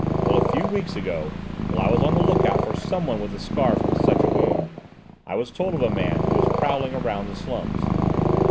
Well, a few weeks ago, while I was on the look out for someone with a scar from such a wound, I was told of a man who was prowling about the slums.